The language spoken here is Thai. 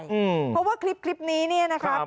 เพราะว่าคลิปนี้นะครับ